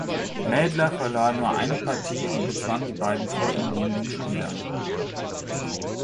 Mädler verlor nur eine Partie und bezwang die beiden vor ihm liegenden Spieler.